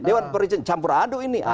dewan campur adu ini